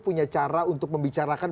punya cara untuk membicarakan